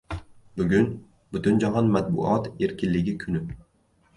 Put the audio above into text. Bugun Butunjahon matbuot erkinligi kuni